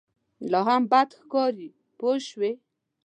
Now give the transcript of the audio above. لا هم بد ښکاري پوه شوې!.